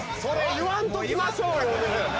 言わんときましょ